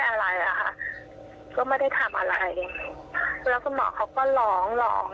แล้วคุณหมอเขาก็หลองนะคะ